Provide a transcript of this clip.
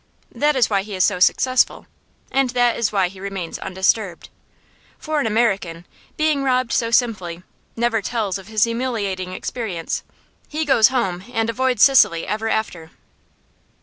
That is why he is so successful. And that is why he remains undisturbed. For an American, being robbed so simply, never tells of his humiliating experience. He goes home, and avoids Sicily ever after."